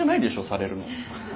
されるの。